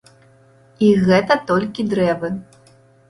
І гэта толькі дрэвы.